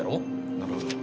なるほど。